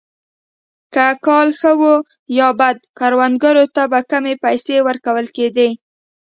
که کال ښه وو یا بد کروندګرو ته به کمې پیسې ورکول کېدې.